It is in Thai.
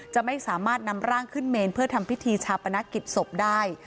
จะไม่สามารถนำร่างขึ้นเมนเพื่อทำพิธีชาปนกิจศพได้